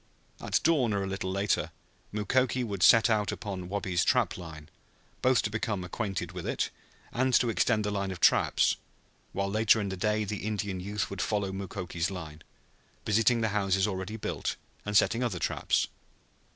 At dawn or a little later Mukoki would set out upon Wabi's trap line, both to become acquainted with it and to extend the line of traps, while later in the day the Indian youth would follow Mukoki's line, visiting the houses already built and setting other traps.